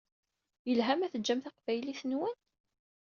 Yelha ma teǧǧam taqbaylit-nwen?